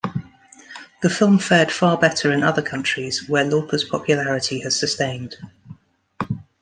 The film fared far better in other countries where Lauper's popularity has sustained.